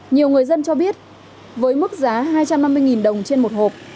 nhiều người dân cho biết với mức giá hai trăm năm mươi đồng trên một hộp